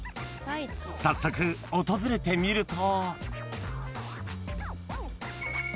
［早速訪れてみると］